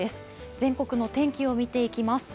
全国の天気を見ていきます。